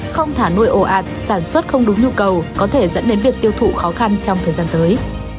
không thả nuôi ổ ạt sản xuất không đúng nhu cầu có thể dẫn đến việc tiêu thụ khó khăn trong thời gian tới